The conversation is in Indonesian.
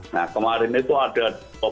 nah kemarin itu ada